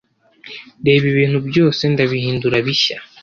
Reba, ibintu byose ndabihindura bishya?